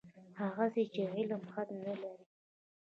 هغسې چې علم حد نه لري.